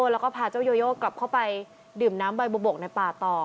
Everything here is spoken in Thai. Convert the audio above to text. แล้วก็พาเจ้าโยโยกลับเข้าไปดื่มน้ำใบบุบกในป่าต่อ